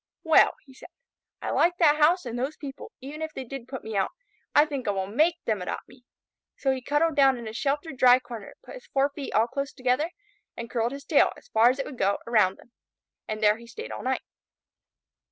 "Well," he said, "I like that house and those people, even if they did put me out. I think I will make them adopt me." So he cuddled down in a sheltered, dry corner, put his four feet all close together, and curled his tail, as far as it would go, around them. And there he stayed all night.